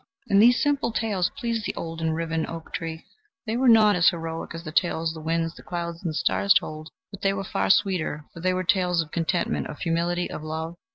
And these simple tales pleased the old and riven oak tree; they were not as heroic as the tales the winds, the clouds, and the stars told, but they were far sweeter, for they were tales of contentment, of humility, of love.